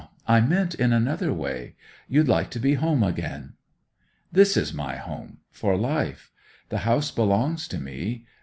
I meant in another way. You'd like to be home again?' 'This is my home—for life. The house belongs to me.